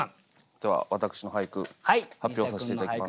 では私の俳句発表させて頂きます。